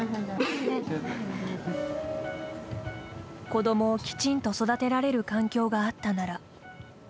子どもをきちんと育てられる環境があったなら。